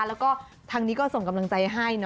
แล้วก็ทางนี้ก็ส่งกำลังใจให้นะ